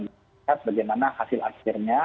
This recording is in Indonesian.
lihat bagaimana hasil akhirnya